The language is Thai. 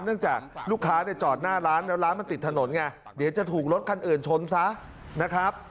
จากลูกค้าเนี่ยจอดหน้าร้านแล้วร้านมันติดถนนไงเดี๋ยวจะถูกรถคันอื่นชนซะนะครับ